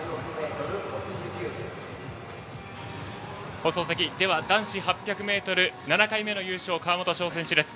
放送席、男子８００ｍ７回目の優勝、川元奨選手です。